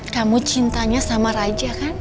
kamu cintanya sama raja kan